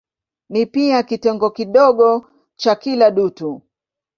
Ni pia kitengo kidogo cha kila dutu.